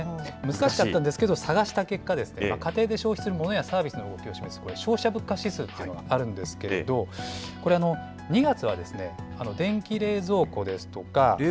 難しかったんですけど、探した結果ですね、家庭で消費するモノやサービスの動きを示す消費者物価指数というものがあるんですけれども、これ、２月はですね、電気冷蔵庫ですとか。